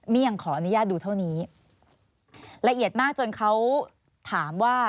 มียังขออนุญาตดูเท่านี้ละเอียดมากจนเขาถามว่า